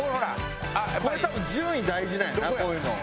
これ多分順位大事なんやなこういうの。